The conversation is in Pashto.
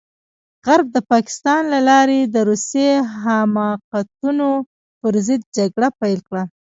غرب د پاکستان له لارې د روسي حماقتونو پرضد جګړه پيل کړه.